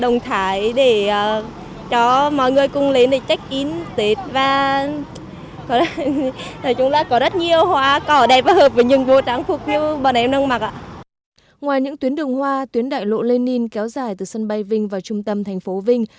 ngoài những tuyến đường hoa tuyến đại lộ lenin kéo dài từ sân bay vinh vào trung tâm thành phố vinh